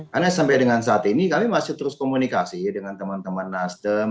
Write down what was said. karena sampai dengan saat ini kami masih terus komunikasi dengan teman teman nasdem